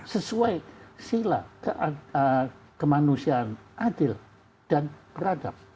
sesuai sila kemanusiaan adil dan beradab